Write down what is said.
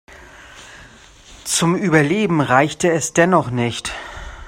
Zum Überleben reichte es dennoch nicht.